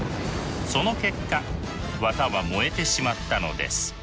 その結果綿は燃えてしまったのです。